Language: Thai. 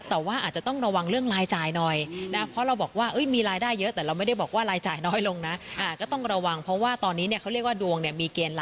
แต่ว่าอาจจะต้องระวังเรื่องลายจ่ายหน่อยนะครับเพราะเราบอกว่ามีรายได้เยอะ